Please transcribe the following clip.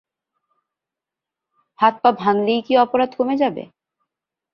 হাত-পা ভাঙলেই কি অপরাধ কমে যাবে?